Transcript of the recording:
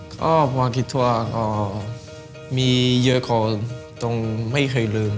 ก็เพราะว่าคิดว่าก็มีเยอะกว่าตรงไม่เคยลืม